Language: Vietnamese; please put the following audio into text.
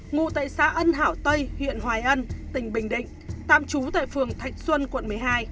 ngụ tại xã ân hảo tây huyện hoài ân tỉnh bình định tạm trú tại phường thạch xuân quận một mươi hai